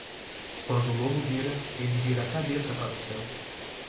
Quando o lobo vira, ele vira a cabeça para o céu.